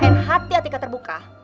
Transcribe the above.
dan hati atika terbuka